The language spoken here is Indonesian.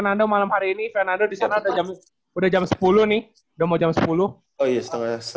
semoga ya semoga ya